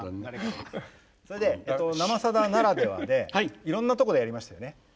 それで『生さだ』ならではでいろんなとこでやりましたよね。